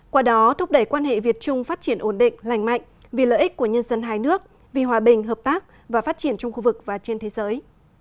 qua đó thúc đẩy quan hệ việt trung phát triển ổn định lành mạnh vì lợi ích của nhân dân hai nước vì hòa bình hợp tác và phát triển trong khu vực và trên thế giới